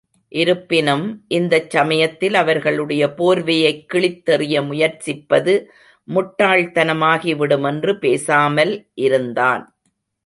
இருப்பினும், இந்தச் சமயத்தில் அவர்களுடைய போர்வையைக் கிழித்தெறிய முயற்சிப்பது முட்டாள் தனமாகிவிடும் என்று பேசாமல், இருந்தான்.